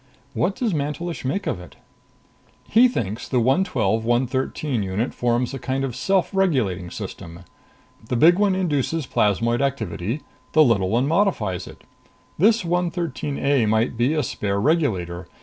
What does Mantelish make of it?" "He thinks the 112 113 unit forms a kind of self regulating system. The big one induces plasmoid activity, the little one modifies it. This 113 A might be a spare regulator.